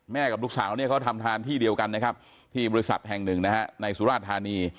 แม่กับลูกสาวนี้เขาทำทางที่เดียวกันไหมครับที่บริษัทแห่งหนึ่งในสุรธัณฑ์นี่